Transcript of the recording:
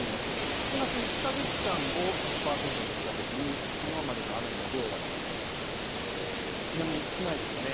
７月１か月間を１００％としたときにきのうまでの雨の量は軒並み少ないですよね。